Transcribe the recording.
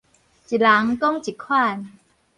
一人講一款